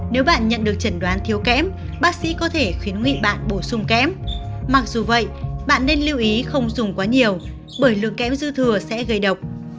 nếu bạn nhận được chẩn đoán thiếu kém bác sĩ có thể khuyến nghị bạn bổ sung kém mặc dù vậy bạn nên lưu ý không dùng quá nhiều bởi lượng kém dư thừa sẽ gây độc